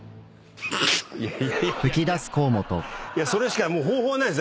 いやいやそれしかもう方法はないです。